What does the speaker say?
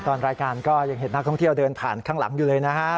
ตอนรายการก็ยังเห็นนักท่องเที่ยวเดินผ่านข้างหลังอยู่เลยนะฮะ